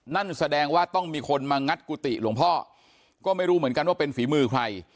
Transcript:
นั่นแสดงว่าต้องมีคนมางัดกุฏิหลวงพ่อก็ไม่รู้เหมือนกันว่าเป็นฝีมือใคร